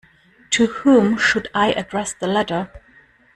To whom should I address the letter?